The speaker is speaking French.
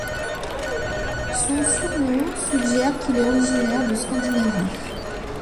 Son surnom suggère qu'il est originaire de Scandinavie.